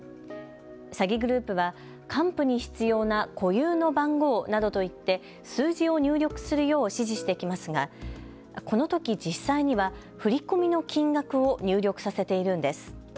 詐欺グループは還付に必要な固有の番号などと言って数字を入力するよう指示してきますがこのとき、実際には振込の金額を入力させているんです。